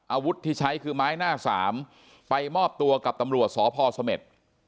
อาวุธที่ใช้คือไม้หน้าสามไปมอบตัวกับตำรวจสพเสม็ด